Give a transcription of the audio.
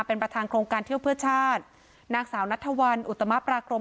เป็นประธานโครงการเที่ยวเพื่อชาตินางสาวนัทธวัลอุตมะปรากรม